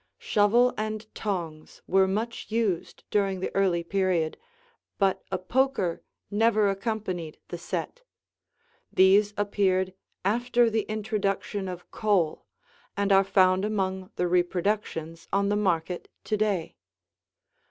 Shovel and tongs were much used during the early period, but a poker never accompanied the set. These appeared after the introduction of coal and are found among the reproductions on the market to day.